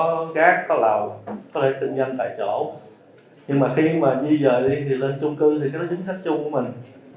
có cát có lầu có tinh doanh tại chỗ nhưng mà khi mà di dời đi thì lên chung cư thì cái đó chính sách chung của mình